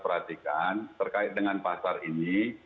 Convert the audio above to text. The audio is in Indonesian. perhatikan terkait dengan pasar ini